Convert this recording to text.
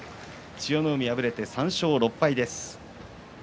千代の海、敗れて３勝６敗です。